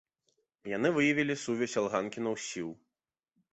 Яны выявілі сувязь алганкінаў з сіў.